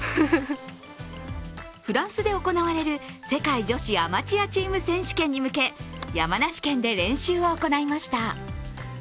フランスで行われる世界女子アマチュアチーム選手権に向け、山梨県で練習を行いました。